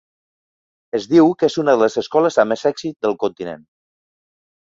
Es diu que és una de les escoles amb més èxit del continent.